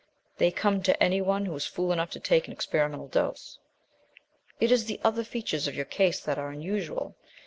They come to any one who is fool enough to take an experimental dose. It is the other features of your case that are unusual.